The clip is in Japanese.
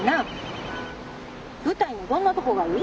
舞台のどんなとこがいい？